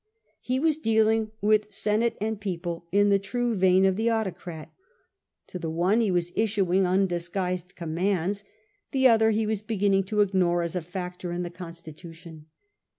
He was dealing with Senate and People in the true vein of the autocrat; to the oxie he was issuing undisguised commands, the other he was beginning to ignore as a factor in the constitution.